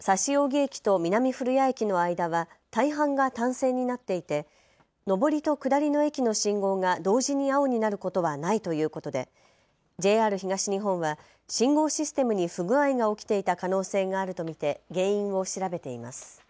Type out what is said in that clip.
指扇駅と南古谷駅の間は大半が単線になっていて上りと下りの駅の信号が同時に青になることはないということでＪＲ東日本は信号システムに不具合が起きていた可能性があると見て原因を調べています。